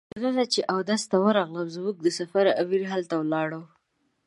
دننه چې اودس ته ورغلم زموږ د سفر امیر هلته ولاړ و.